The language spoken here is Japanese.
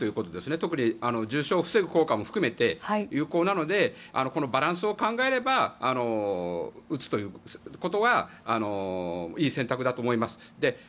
特に重症を防ぐ効果も含めて有効なのでこのバランスを考えれば打つということがいい選択だと思います。